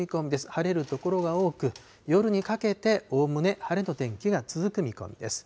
晴れる所が多く、夜にかけておおむね晴れの天気が続く見込みです。